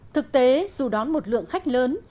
thực tế dù đón một lượng khách lớn